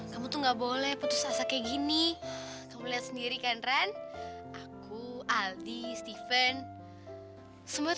kamu tuh nggak boleh putus asa kayak gini kamu lihat sendiri kenren aku aldi stephen semua